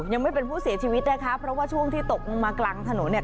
ยังไม่เป็นผู้เสียชีวิตนะคะเพราะว่าช่วงที่ตกลงมากลางถนนเนี่ย